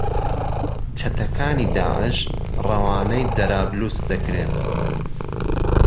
چهتهکانی داعش رهوانهی جهرابلوس دهکرێن